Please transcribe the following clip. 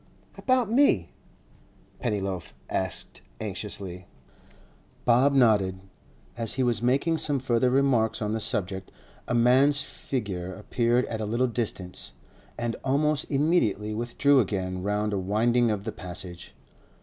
'About me?' Pennyloaf asked anxiously. Bob nodded. As he was making some further remarks on the subject, a man's figure appeared at a little distance, and almost immediately withdrew again round a winding of the Passage.